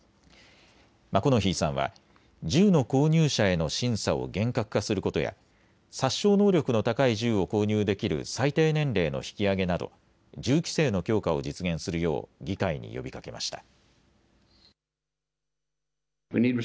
マコノヒーさんは銃の購入者への審査を厳格化することや殺傷能力の高い銃を購入できる最低年齢の引き上げなど銃規制の強化を実現するよう議会に呼びかけました。